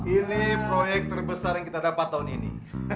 ini proyek terbesar yang kita dapat tahun ini